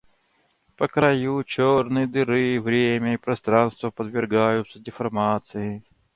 По краю черной дыры время и пространство подвергаются деформации.